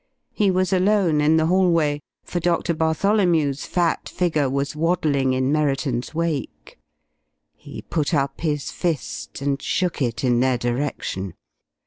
He was alone in the hallway, for Doctor Bartholomew's fat figure was waddling in Merriton's wake. He put up his fist and shook it in their direction.